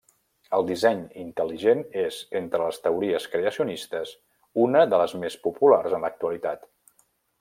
El disseny intel·ligent és, entre les teories creacionistes, una de les més populars en l'actualitat.